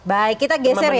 baik kita geser ya